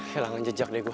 hilangan jejak deh gue